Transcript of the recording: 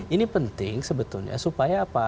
ini penting sebetulnya supaya apa